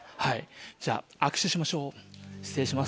じゃあ握手しましょう失礼します。